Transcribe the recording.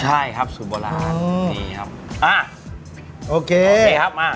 ใช่ครับสูตรโบราณนี่ครับอ่าโอเคนี่ครับมา